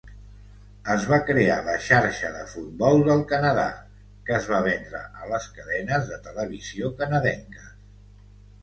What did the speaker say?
Es va crear la Xarxa de Futbol del Canadà, que es va vendre a les cadenes de televisió canadenques.